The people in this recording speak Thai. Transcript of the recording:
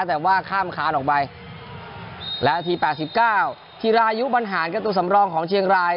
แต่ว่าข้ามค้านออกไปและทีแปดสิบเก้าทีรายุบรรหารกับตัวสำรองของเชียงราย